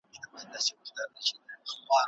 ایا ځايي کروندګر بادام صادروي؟